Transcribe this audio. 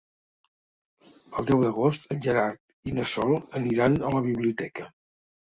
El deu d'agost en Gerard i na Sol aniran a la biblioteca.